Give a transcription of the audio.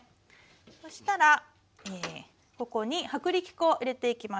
そしたらここに薄力粉を入れていきましょう。